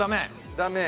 ダメ？